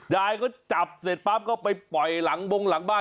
ยายก็จับเสร็จปั๊บก็ไปปล่อยหลังบงหลังบ้าน